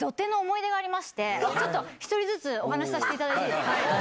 １人ずつお話しさせていただいていいですか。